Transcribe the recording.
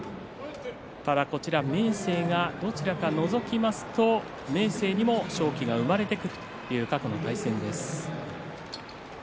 ただ、こちら明生がどちらかをのぞきますと明生にも勝機が生まれるという過去の対戦です。